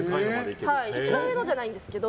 一番上のじゃないんですけど。